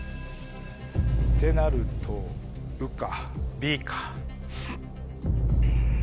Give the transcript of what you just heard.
ってなると「う」か。